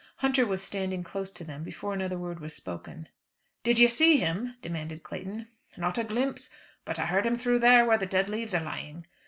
Hunter was standing close to them before another word was spoken. "Did you see him?" demanded Clayton. "Not a glimpse; but I heard him through there, where the dead leaves are lying."